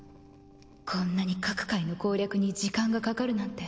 こんなに各階の攻略に時間がかかるなんて。